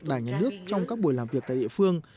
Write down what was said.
đại nhân nước trong các buổi làm việc tại địa phương